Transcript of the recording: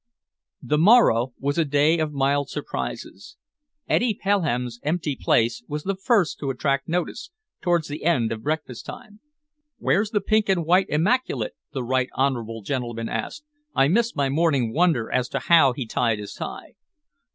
The morrow was a day of mild surprises. Eddy Pelham's empty place was the first to attract notice, towards the end of breakfast time. "Where's the pink and white immaculate?" the Right Honourable gentleman asked. "I miss my morning wonder as to how he tied his tie."